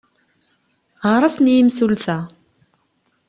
Ɣer-asen i yemsulta!